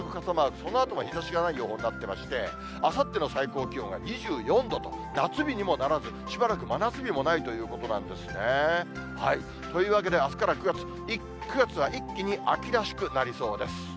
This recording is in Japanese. このあとも日ざしがない予報になってまして、あさっての最高気温が２４度と、夏日にもならず、しばらく真夏日もないということなんですね。というわけで、あすから９月、９月は一気に秋らしくなりそうです。